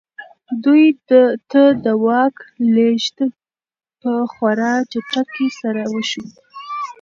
دوی ته د واک لېږد په خورا چټکۍ سره وشو.